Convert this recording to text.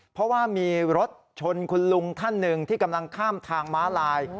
เพราะว่ามีรถชนคุณลุงท่านหนึ่งที่กำลังข้ามทางม้าลาย